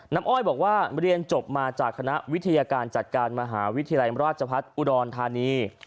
อ้อยบอกว่าเรียนจบมาจากคณะวิทยาการจัดการมหาวิทยาลัยราชพัฒน์อุดรธานี